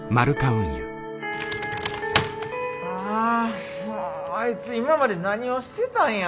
もうあいつ今まで何をしてたんや。